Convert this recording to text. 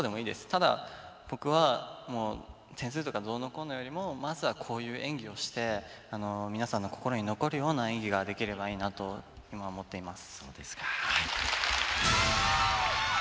ただ僕はもう点数とかどうのこうのよりもまずはこういう演技をして皆さんの心に残るような演技ができればいいなと今思っています。